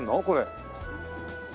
これ。